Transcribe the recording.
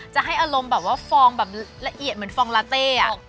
จะให้อารมณ์บับว่าฟองเหมือนฟองลาเต้ะอะ